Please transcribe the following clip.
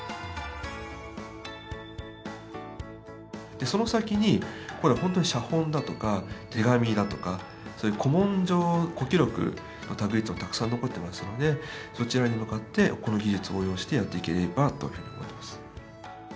でその先に写本だとか手紙だとかそういう古文書古記録の類いはたくさん残ってますのでそちらに向かってこの技術を応用してやっていければというふうに思っています。